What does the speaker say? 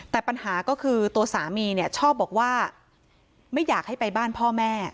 แต่ปัญหาก็คือตัวสามีเนี่ยชอบบอกว่าไม่อยากให้ไปบ้านพ่อแม่